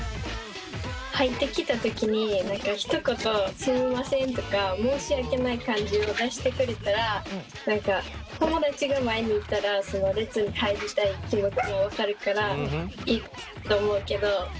入ってきたときに何かひと言「すみません」とか申し訳ない感じを出してくれたら何か友だちが前にいたらその列に入りたい気持ちも分かるからいいと思うけど。